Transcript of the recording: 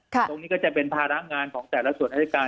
ตรงนี้ก็จะเป็นภาระงานของแต่ละส่วนอายการ